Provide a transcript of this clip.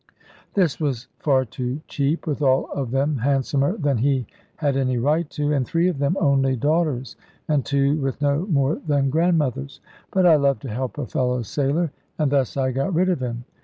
This was far too cheap, with all of them handsomer than he had any right to; and three of them only daughters, and two with no more than grandmothers. But I love to help a fellow sailor; and thus I got rid of him.